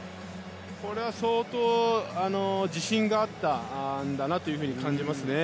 これは相当自信があったんだなと感じますね。